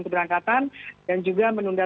keberangkatan dan juga menunda